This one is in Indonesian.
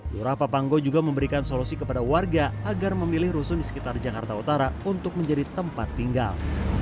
lurah papanggo juga memberikan solusi kepada warga agar memilih rusun di sekitar jakarta utara untuk menjadi tempat tinggal